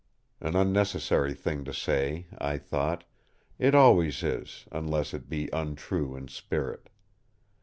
An unnecessary thing to say, I thought—it always is, unless it be untrue in spirit.